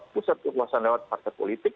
pusat kekuasaan lewat partai politik